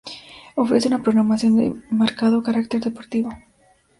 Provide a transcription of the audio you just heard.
Ofrece una programación de marcado carácter deportivo.